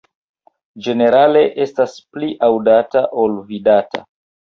Ĝenerale estas pli aŭdata ol vidata.